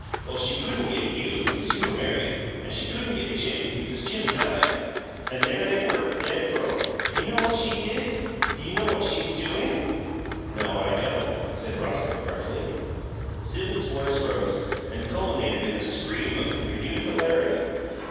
"Well, she couldn't get you, because you were married, and she couldn't get Jim, because Jim died. And there they were, dead broke! Do you know what she did? Do you know what she's DOING?" "No, I don't," said Roscoe, gruffly. Sibyl's voice rose and culminated in a scream of renewed hilarity.